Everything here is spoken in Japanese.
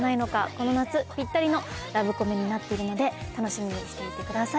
この夏ぴったりのラブコメになっているので楽しみにしていてください。